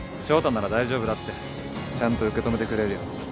翔太なら大丈夫だって。ちゃんと受け止めてくれるよ。